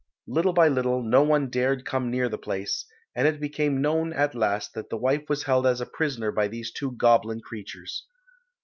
Little by little no one dared come near the place, and it became known at last that the wife was held as a prisoner by these two goblin creatures.